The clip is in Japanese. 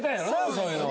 そういうのは。